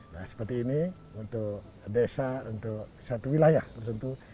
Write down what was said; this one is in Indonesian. nah seperti ini untuk desa untuk satu wilayah tertentu